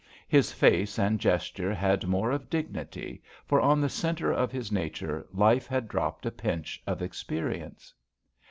His face and gesture had more of dignity, for on the centre of his nature life had dropped a pinch of ex perience.